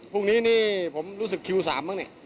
พรุ่งนี้นี่ผมรู้สึกคิว๓บ้างนี่